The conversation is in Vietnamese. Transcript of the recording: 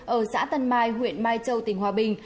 ở xã tân mai huyện mai châu tỉnh hòa bình